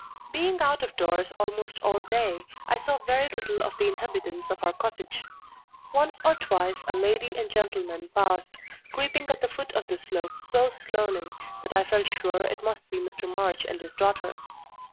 Being out of doors almost all day, I saw very little of the inhabitants of our cottage. Once or twice a lady and gentleman passed, creeping at the foot of the slope so slowly, that I felt sure it must be Mr. March and his daughter.